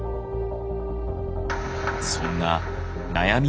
そんな悩み